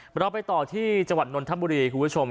พอเราไปต่อที่จังหวัดหนลที่ท่านบุธฐีคุณผู้ชม